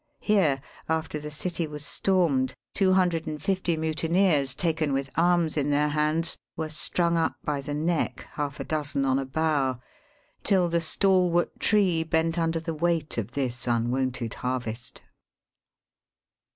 Here, after the city was stormed, 250 mutineers, iaken with arms in their hands, were strung up by the neck, half a dozen on a bough, till the stalwart tree bent under the weight of this imwonted harvest.